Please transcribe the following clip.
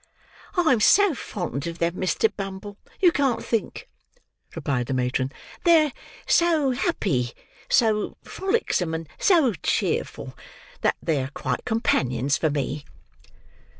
"I am so fond of them, Mr. Bumble, you can't think," replied the matron. "They're so happy, so frolicsome, and so cheerful, that they are quite companions for me."